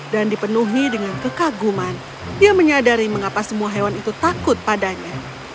dipenuhi dengan kekaguman yang menyadari mengapa semua hewan itu takut padanya